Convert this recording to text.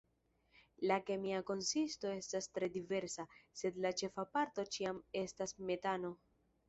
La kemia konsisto estas tre diversa, sed la ĉefa parto ĉiam estas metano.